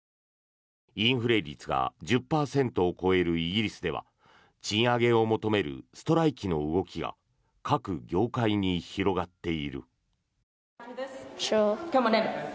インフレ率が１０％を超えるイギリスでは賃上げを求めるストライキの動きが各業界に広がっている。